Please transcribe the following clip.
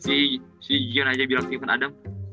eh si gion aja bilang ke evan adam